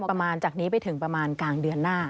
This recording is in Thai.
ประมาณจากนี้ไปถึงประมาณกลางเดือนหน้า